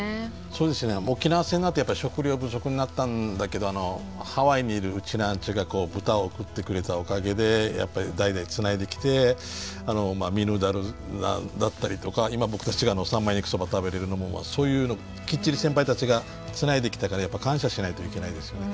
そうですね沖縄戦のあとやっぱり食糧不足になったんだけどハワイにいるうちなーんちゅが豚を送ってくれたおかげでやっぱり代々つないできてミヌダルだったりとか今僕たちが三枚肉そば食べれるのもそういうのきっちり先輩たちがつないできたからやっぱ感謝しないといけないですよね。